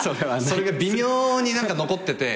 それが微妙に何か残ってて。